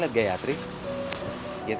gaya trik triknya mana ya